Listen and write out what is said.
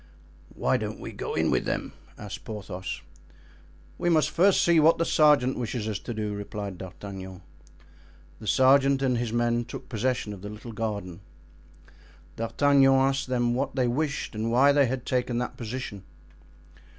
"Why don't we go in with them?" asked Porthos. "We must first see what the sergeant wishes us to do," replied D'Artagnan. The sergeant and his men took possession of the little garden. D'Artagnan asked them what they wished and why they had taken that position.